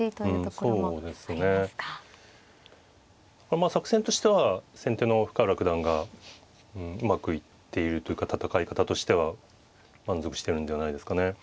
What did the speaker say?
まあ作戦としては先手の深浦九段がうまくいっているというか戦い方としては満足してるんではないですかね。